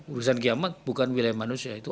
urusan kiamat bukan wilayah manusia itu